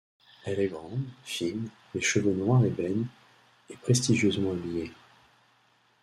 Elle est grande, fine, les cheveux noir ébène et prestigieusement habillée.